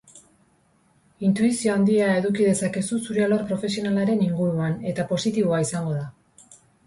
Intuizio handia eduki dezakezu zure alor profesionalaren inguruan, eta positiboa izango da.